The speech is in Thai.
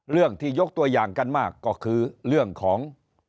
เรื่องที่ยกตัวอย่างกันมากก็คือเรื่องของ